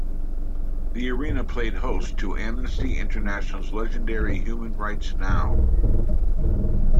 The arena played host to Amnesty International's legendary Human Rights Now!